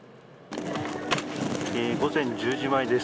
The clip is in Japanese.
午前１０時前です。